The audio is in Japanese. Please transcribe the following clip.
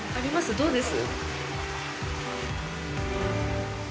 どうです？